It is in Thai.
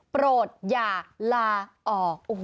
โปรดอย่าลาออก